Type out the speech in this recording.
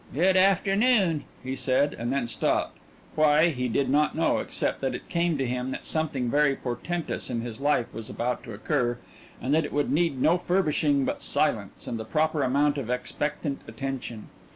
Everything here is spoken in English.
"Good afternoon " he said, and then stopped why, he did not know, except that it came to him that something very portentous in his life was about to occur, and that it would need no furbishing but silence, and the proper amount of expectant attention.